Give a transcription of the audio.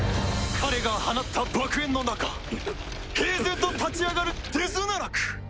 彼が放った爆炎の中平然と立ち上がるデズナラク！